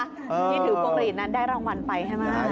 ที่ถือพวงรีดนั้นได้รางวัลไปให้มา